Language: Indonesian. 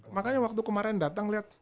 makanya waktu kemarin datang lihat